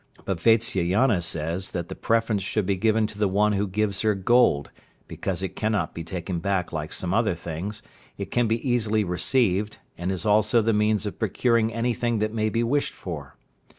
But Vatsyayana says that the preference should be given to the one who gives her gold, because it cannot be taken back like some other things, it can be easily received, and is also the means of procuring anything that may be wished for.